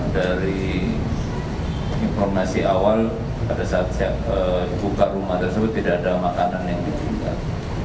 dari informasi awal pada saat saya buka rumah tersebut tidak ada makanan yang dibuka